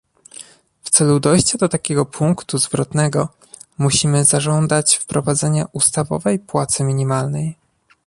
W celu dojścia do takiego punktu zwrotnego musimy zażądać wprowadzenia ustawowej płacy minimalnej